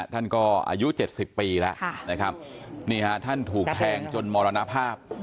ท่านก็อายุ๗๐ปีแล้วนะครับนี่ฮะท่านถูกแทงจนมรณภาพ